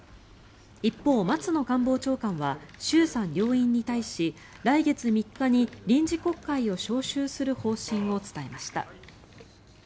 一方、松野官房長官は衆参両院に対し来月３日に臨時国会を召集する方針を伝えました。